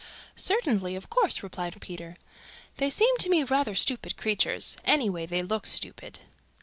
"Certainly. Of course," replied Peter. "They seem to me rather stupid creatures. Anyway they look stupid."